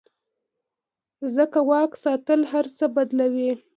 ځکه واک ساتل هر څه بدلوي.